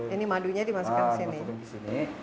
ini madunya dimasukkan ke sini